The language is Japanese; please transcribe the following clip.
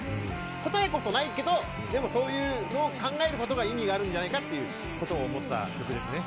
答えこそないけどでもそういうのを考えることが意味があるんじゃないかっていうことを思った曲ですね。